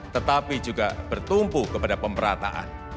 tetapi juga bertumpu kepada pemerataan